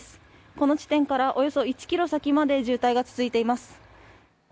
この地点からおよそ１キロ先まで渋滞が続いています